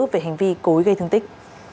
về hành vi cối gây thương tích